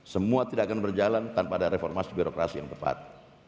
semua tidak akan berjalan tanpa ada reformasi birokrasi yang tepat